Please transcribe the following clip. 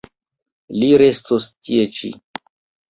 Li restos tie ĉi.